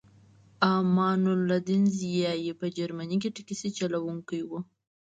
امان الدین ضیایی په جرمني کې ټکسي چلوونکی و